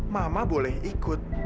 mama boleh ikut